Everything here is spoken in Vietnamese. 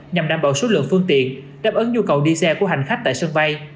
nhằm đảm bảo số lượng phương tiện đáp ứng nhu cầu đi xe của hành khách tại sân bay